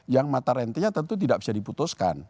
yang mata rentenya tentu tidak bisa diputuskan